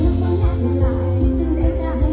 เวลาที่สุดท้าย